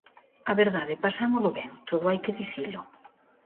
A verdade, pasámolo ben, todo hai que dicilo.